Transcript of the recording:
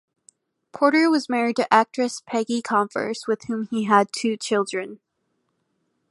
Porter was married to actress Peggy Converse with whom he had two children.